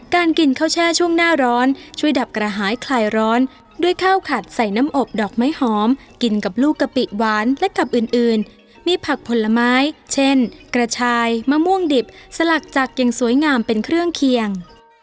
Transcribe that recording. กินข้าวแช่ช่วงหน้าร้อนช่วยดับกระหายคลายร้อนด้วยข้าวขัดใส่น้ำอบดอกไม้หอมกินกับลูกกะปิหวานและกับอื่นมีผักผลไม้เช่นกระชายมะม่วงดิบสลักจักรอย่างสวยงามเป็นเครื่องเคียง